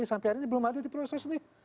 sampai hari ini belum ada diproses